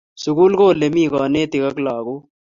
Sukul ko ole mi kanetik ak lakok